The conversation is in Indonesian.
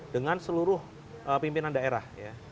dengan seluruh pimpinan daerah